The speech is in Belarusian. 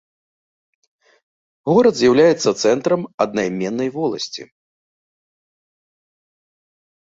Горад з'яўляўся цэнтрам аднайменнай воласці.